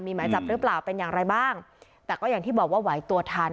มีหมายจับหรือเปล่าเป็นอย่างไรบ้างแต่ก็อย่างที่บอกว่าไหวตัวทัน